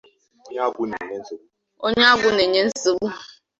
onye agwụ na-enye nsogbu